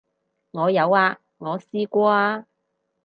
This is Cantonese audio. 我有啊，我試過啊